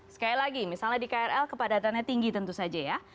sekali lagi misalnya di krl kepadatannya tinggi tentu saja ya